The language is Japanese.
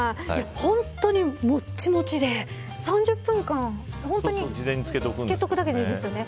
本当に、もっちもちで３０分間本当に漬けとくだけでいいんですよね。